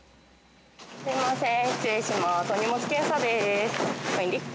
すみません。